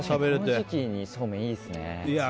この時期にそうめんいいですね。